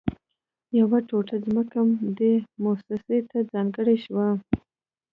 يوه ټوټه ځمکه دې مؤسسې ته ځانګړې شوه